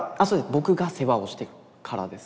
僕が世話をしてるからです。